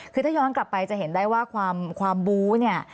คือถ้าย้อนกลับไปจะเห็นได้ว่าความบู้เนี่ย